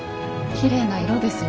きれいな色ですね。